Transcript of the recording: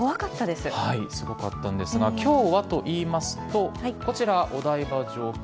すごかったんですが今日はといいますとこちら、お台場上空。